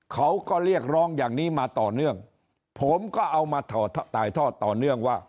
เขาก็เรียกร้องอย่างนี้มาต่อเนื่องผมก็เอามาถ่ายทอดต่อเนื่องว่า